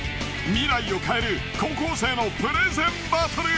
未来を変える高校生のプレゼンバトル！